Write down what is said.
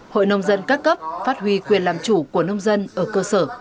hội nông dân các cấp phát huy quyền làm chủ của nông dân ở cơ sở